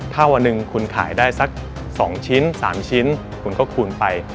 ถ้าวันหนึ่งคุณขายได้สัก๒ชิ้น๓ชิ้นคุณก็คูณไป